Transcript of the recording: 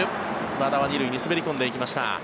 和田は２塁に滑り込んでいきました。